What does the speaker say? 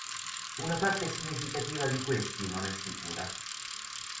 Una parte significativa di questi non è sicura.